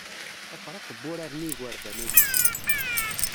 Afraq n wuraren i yigerdan-agi.